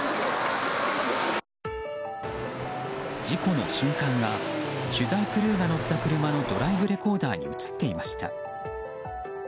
事故の瞬間が取材クルーが乗った車のドライブレコーダーに映っていました。